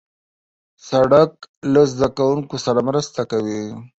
سړک له زدهکوونکو سره مرسته کوي.